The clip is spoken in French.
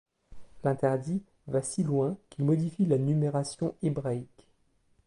L'interdit va si loin qu'il modifie la numération hébraïque.